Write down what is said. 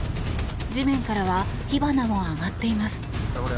地面からは火花も上がっています。